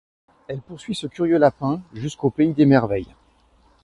Elle poursuit ce curieux lapin jusqu’au Pays des merveilles.